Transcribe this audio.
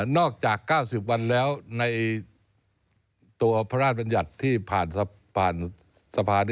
นอกจาก๙๐วันแล้วในตัวพระราชบรรยัติที่ผ่านสะพานนิติการณ์